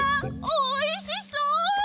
おいしそう！